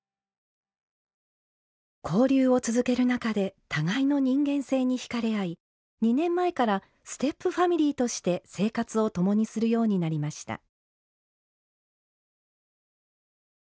交流を続ける中で互いの人間性に引かれ合い２年前からステップファミリーとして生活を共にするようになりました。